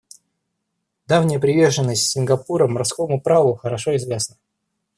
Давняя приверженность Сингапура морскому праву хорошо известна.